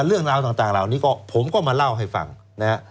เรื่องราวต่างเหล่านี้ก็ผมก็มาเล่าให้ฟังนะฮะ